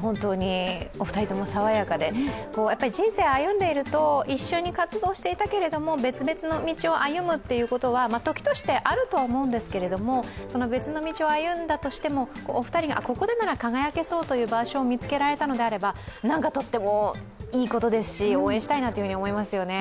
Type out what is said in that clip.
本当にお二人ともさわやかで、人生を歩んでいると一緒に活動していたけれども、別々の道を歩むということは時としてあるとは思うんですけれども、その別の道を歩んだとしても、ここでなら輝けそうという場所を見つけられたのであれば、とってもいいことですし、応援したいなというふうに思いますよね。